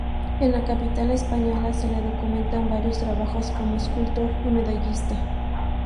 En la capital española se le documentan varios trabajos como escultor y medallista.